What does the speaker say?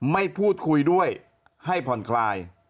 ไม่พูดคุยด้วยให้ผ่อนคลาย